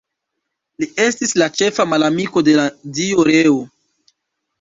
Li estis la ĉefa malamiko de la dio Reo.